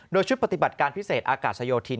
โดยชุดปฏิบัติการพิเศษอากาศโยธิน